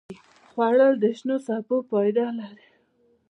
خوړل د شنو سبو فایده لري